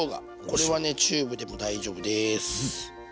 これはチューブでも大丈夫です。